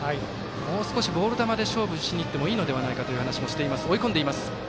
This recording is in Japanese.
もう少しボール球で勝負していってもいいのではないかという話もしています。